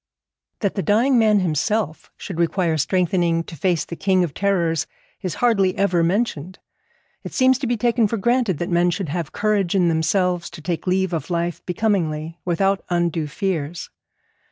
That the dying man himself should require strengthening to face the King of Terrors is hardly ever mentioned. It seems to be taken for granted that men should have courage in themselves to take leave of life becomingly, without undue fears.